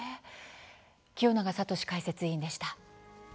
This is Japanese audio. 清永聡解説委員でした。